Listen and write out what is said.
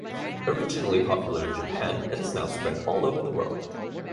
Originally popular in Japan, it has now spread all over the world.